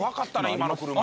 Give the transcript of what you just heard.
今の車。